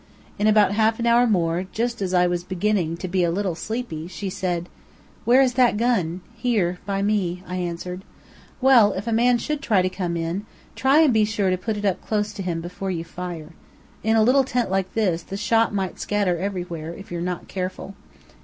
In about half an hour more, just as I was beginning to be a little sleepy, she said: "Where is that gun?" "Here by me," I answered. "Well, if a man should come in, try and be sure to put it up close to him before you fire. In a little tent like this, the shot might scatter everywhere, if you're not careful."